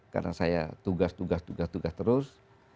karena saya tugas tugas tugas tugas terus